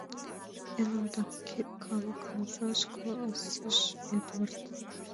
Элым да калыкым ужаш, — каласыш Эдвард.